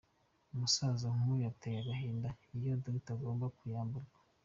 Umusaza nkuyu ateye agahinda iyo Dr agomba kuyamburwa.